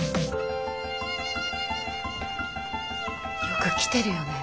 よく来てるよね